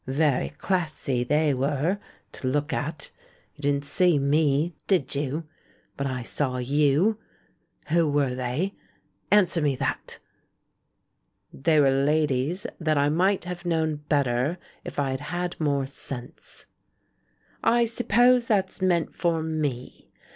Very classy they were — to look at. You didn't see me, did you? But I saw you! Who were tliey? Answer me that." "They were ladies that I might have known better if I had had more sense." "I suppose that's meant for me?